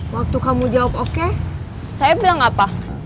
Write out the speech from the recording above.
waktu kamu jawab oke saya bilang apa